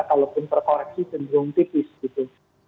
kalaupun terkoreksi cenderung tipis gitu